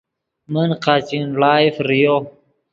من قاچین ڑائے فریو